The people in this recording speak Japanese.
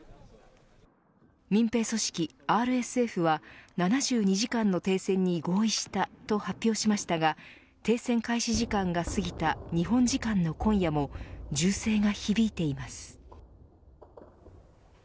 民兵組織ＲＳＦは７２時間の停戦に合意したと発表しましたが停戦開始時間が過ぎた日本時間の今夜も銃声が響いています。